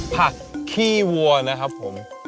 ผักคีวอร์นะครับผม